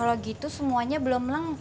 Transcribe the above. kamu taruh gue macem cation